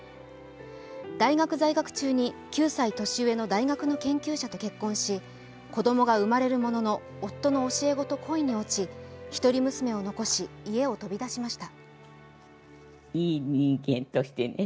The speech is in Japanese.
大学在学中に９歳年上の大学の研究者と結婚し子供が生まれるものの、夫の教え子と恋に落ち、一人娘を残し、家を飛び出しました。